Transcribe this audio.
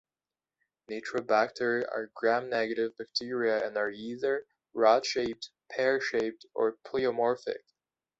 "Nitrobacter" are gram-negative bacteria and are either rod-shaped, pear-shaped or pleomorphic.